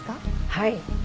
はい。